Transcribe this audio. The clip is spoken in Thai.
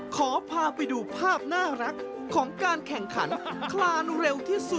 ขอพาไปดูภาพน่ารักของการแข่งขันคลานเร็วที่สุด